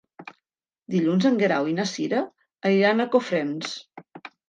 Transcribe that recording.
Dilluns en Guerau i na Cira aniran a Cofrents.